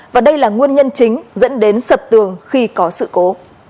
và đây là nguyên nhân chính dẫn đến sập tường khi có sự cố